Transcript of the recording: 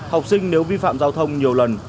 học sinh nếu vi phạm giao thông nhiều lần